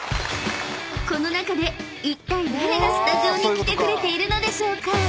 ［この中でいったい誰がスタジオに来てくれているのでしょうか？］